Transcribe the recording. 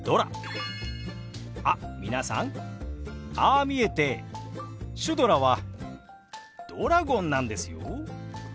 あっ皆さんああ見えてシュドラはドラゴンなんですよ。